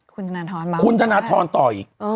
คุณธนทรมาบก่อนครูถนาท้อนต่ออีก